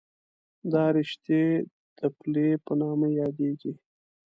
دا رشتې د پلې په نامه یادېږي.